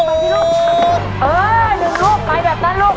เออหนึ่งลูกไปแบบนั้นลูก